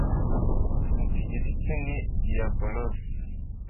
Mu kigiriki ni diabolos